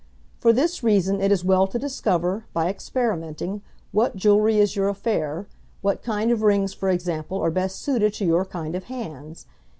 For this reason it is well to discover, by experimenting, what jewelry is your affair, what kind of rings for example, are best suited to your kind of hands.